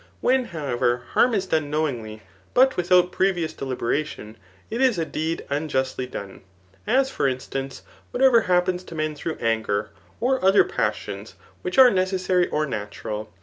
When, however, harm is done knowingly, but without previous deliberation, it is a deed unjustly done ; as for instancy whatever happens to men through anger, or other pas sions which are necessary or natural.